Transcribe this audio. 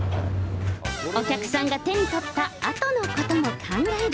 お客さんが手に取ったあとのことも考える。